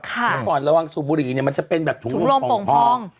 เมื่อก่อนระวังสูบบุหรี่เนี่ยมันจะเป็นแบบถุงมือของพอง